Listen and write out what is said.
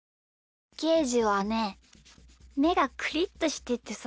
ゲージはねめがクリッとしててさ。